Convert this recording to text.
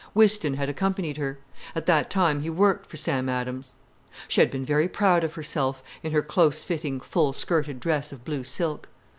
Whiston had accompanied her. At that time he worked for Sam Adams. She had been very proud of herself, in her close fitting, full skirted dress of blue silk.